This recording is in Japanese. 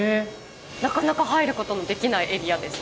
なかなか入ることのできないエリアです。